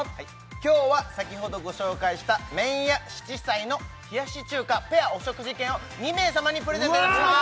今日は先ほどご紹介した麺や七彩の冷やし中華ペアお食事券を２名様にプレゼントいたします